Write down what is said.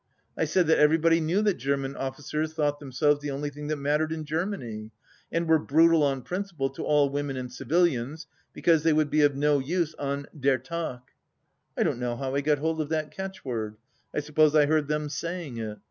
I said that everybody knew that German officers thought themselves the only thing that mattered in Germany, and were brutal on principle to all women and civilians because they would be of no use on Der Tag, I don't know how I got hold of that catchword; I suppose I heard them saying it.